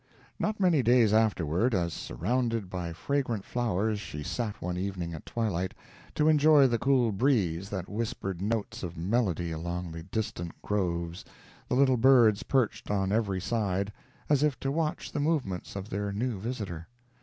Not many days afterward, as surrounded by fragrant flowers she sat one evening at twilight, to enjoy the cool breeze that whispered notes of melody along the distant groves, the little birds perched on every side, as if to watch the movements of their new visitor.